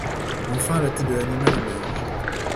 Enfin, la tête de l’animal émerge.